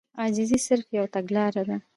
عاجزي صرف يوه تګلاره ده.